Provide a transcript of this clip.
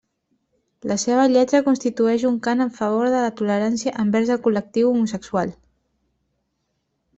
La seva lletra constitueix un cant en favor de la tolerància envers el col·lectiu homosexual.